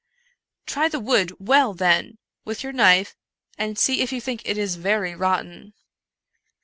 " Try the wood well, then, with your knife, and see if you think it very rotten."